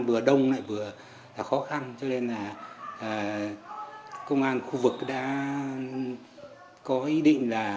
vừa đông lại vừa là khó khăn cho nên là công an khu vực đã có ý định là